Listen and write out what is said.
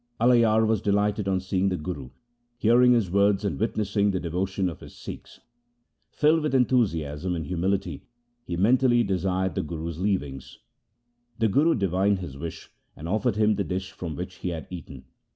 Alayar was delighted on seeing the Guru, hearing his words, and witnessing the devotion of his Sikhs. Filled with enthusiasm and humility he mentally desired the Guru's leavings. The Gum divined his wish and offered him the dish from which he had eaten.